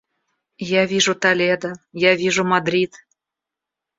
Я вижу Толедо, я вижу Мадрид.